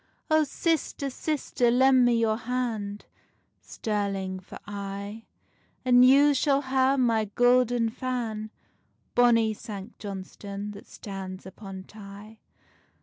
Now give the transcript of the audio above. Oh, sister, sister, lend me your hand, Stirling for aye: And you shall hae my gouden fan, Bonny Sanct Johnstonne that stands upon Tay.